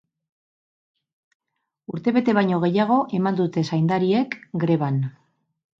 Urtebete baino gehiago eman dute zaindariek greban.